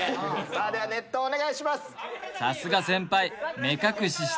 さあでは熱湯お願いします。